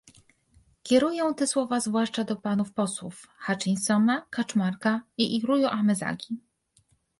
Kieruję te słowa zwłaszcza do panów posłów Hutchinsona, Kaczmarka i Irujo Amezagi